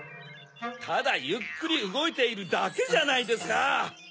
ただゆっくりうごいているだけじゃないですか。